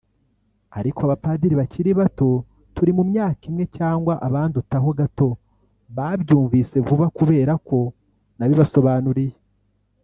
ariko abapadiri bakiri bato turi mu myaka imwe cyangwa abandutaho gato babyumvise vuba kubera ko nabibasobanuriye